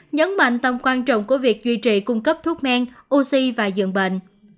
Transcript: nhấn mạnh tầm quan trọng của việc duy trì cung cấp thuốc men oxy và dường bệnh